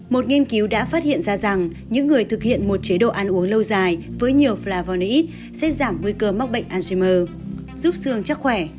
một nghiên cứu đã phát hiện ra rằng những người thực hiện một chế độ ăn uống lâu dài với nhiều flavory sẽ giảm nguy cơ mắc bệnh alzhimer giúp xương chắc khỏe